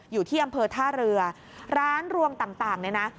อยู่ที่อำเภอท่าเรือร้านรวงต่างเนี่ยนะ